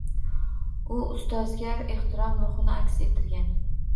U ustozlarga ehtirom ruhini aks ettirgan.